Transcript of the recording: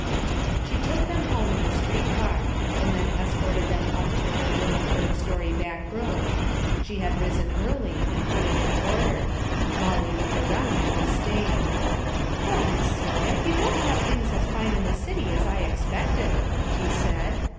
She took them home in the street car, and then escorted them up to her little third story back room. She had risen early and put it in order. Molly looked around in disdain. "Well, Miss Celia, you don't have things as fine in the city as I expected," she said.